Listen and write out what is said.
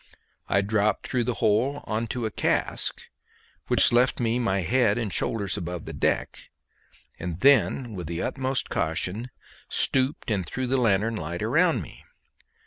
I dropped through the hole on to a cask, which left me my head and shoulders above the deck, and then with the utmost caution stooped and threw the lanthorn light around me.